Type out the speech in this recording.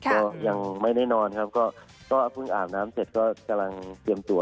ก็ยังไม่ได้นอนครับก็เพิ่งอาบน้ำเสร็จก็กำลังเตรียมตัว